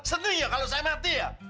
senang ya kalau saya mati ya